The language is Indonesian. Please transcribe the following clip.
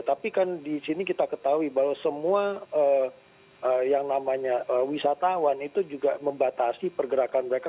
tapi kan di sini kita ketahui bahwa semua yang namanya wisatawan itu juga membatasi pergerakan mereka